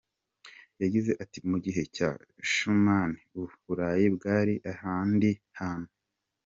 Yagize ati “Mu gihe cya Schuman, u Burayi bwari ahandi hantu.